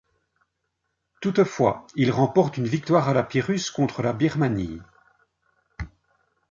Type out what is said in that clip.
Toutefois, il remporte une victoire à la Pyrrhus contre la Birmanie.